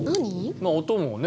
まあ音もね